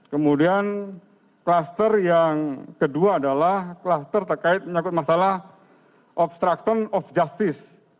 kemudian kluster yang kedua adalah kluster terkait menyakut masalah obstruction of justice